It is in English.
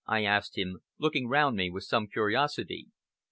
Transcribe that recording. I asked him, looking round me with some curiosity.